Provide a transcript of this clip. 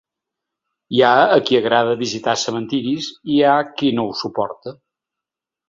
Hi ha a qui agrada visitar cementiris i hi ha qui no ho suporta.